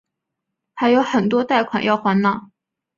还有很多贷款要还哪